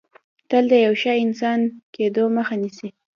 تل د یو ښه انسان کېدو مخه نیسي